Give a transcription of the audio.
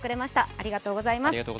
ありがとうございます。